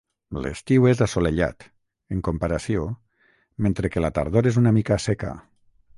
L'estiu és assolellat, en comparació, mentre que la tardor és una mica seca.